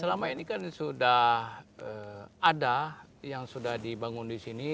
selama ini kan sudah ada yang sudah dibangun di sini